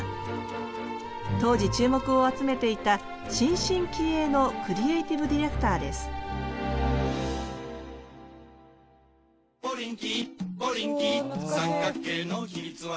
当時注目を集めていた新進気鋭のクリエイティブ・ディレクターですうわ懐かしい。